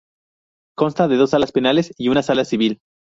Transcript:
Consta de dos Salas Penales y una Sala Civil.